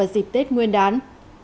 thịt tết nguyên đán